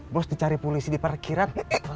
bos dicari polisi di parkiran